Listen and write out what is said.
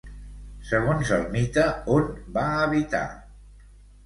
Segons el mite, on va habitar?